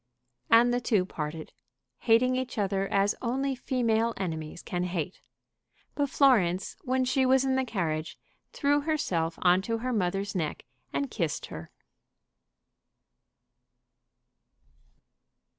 And the two parted, hating each other as only female enemies can hate. But Florence, when she was in the carriage, threw herself on to her mother's neck and kissed her.